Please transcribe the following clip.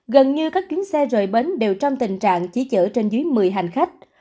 gần như các chuyến xe rời bến đều trong tình trạng chỉ chở trên dưới một mươi hành khách